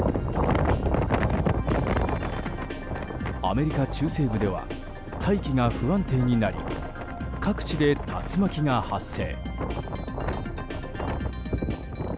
アメリカ中西部では大気が不安定になり各地で竜巻が発生。